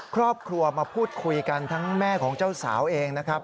ครอบครัวมาพูดคุยกันทั้งแม่ของเจ้าสาวเองนะครับ